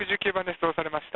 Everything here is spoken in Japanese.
どうされました？